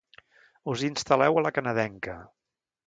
Us instal·leu a la canadenca.